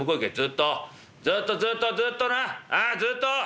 ずっとずっとずっとなあずっと。